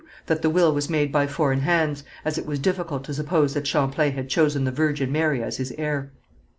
That the will was made by foreign hands, as it was difficult to suppose that Champlain had chosen the Virgin Mary as his heir.